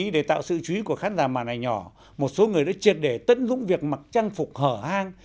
để tạo sự chú ý của khán giả màn ảnh nhỏ một số người đã triệt để tấn dụng việc mặc trang phục hở hang